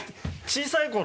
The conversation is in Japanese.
小さい頃。